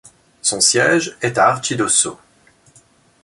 Son siège est à Arcidosso.